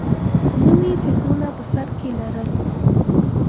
نوي فکرونه په سر کې لرل